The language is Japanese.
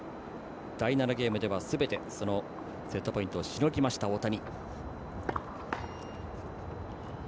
第７ゲームではすべてセットポイントをしのぎました、大谷。